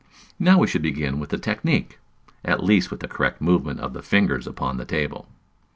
Now we should begin with the technique, at least with the correct movement of the fingers upon the table.